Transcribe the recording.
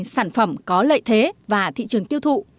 sản phẩm có lợi thế và thị trường tiêu thụ